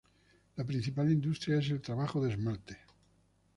La principal industria es el trabajo de esmalte.